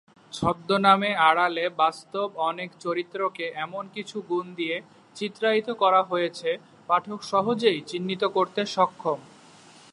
ছদ্মনামে আড়ালে বাস্তব অনেক চরিত্রকে এমন কিছু গুণ দিয়ে চিত্রায়িত করা হয়েছে পাঠক সহজেই চিহ্নিত করতে সক্ষম।